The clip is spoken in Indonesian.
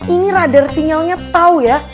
ini radar sinyalnya tahu ya